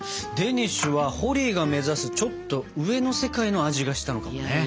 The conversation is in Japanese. デニッシュはホリーが目指すちょっと上の世界の味がしたのかもね。